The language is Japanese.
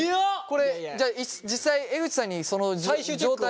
これじゃあ実際江口さんにその状態